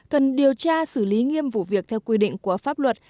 cần điều tra xử lý nghiêm vụ việc theo quy định của pháp luật